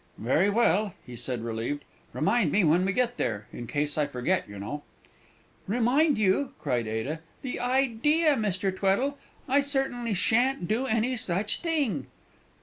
"Very well," he said, relieved; "remind me when we get there in case I forget, you know." "Remind you!" cried Ada; "the idea, Mr. Tweddle! I certainly shan't do any such thing."